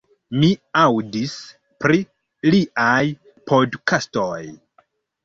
Mi aŭdis pri liaj podkastoj